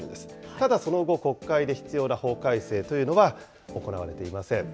ただ、その後、国会で必要な法改正というのは行われていません。